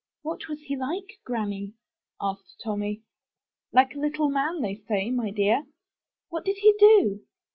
'What was he like, Granny?'' asked Tommy. ''Like a little man, they say, my dear." "What did he do?"